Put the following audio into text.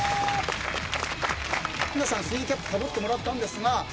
皆さん水泳キャップかぶってもらったんですが。